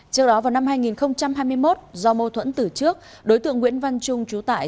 trước đó vào năm hai nghìn hai mươi một do mâu thuẫn từ trước đối tượng nguyễn văn trung trú tại